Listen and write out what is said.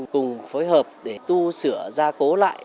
cùng phối hợp để tu sửa gia cố lại